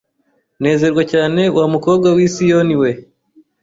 "Nezerwa cyane wa mukobwa w'i Siyoni we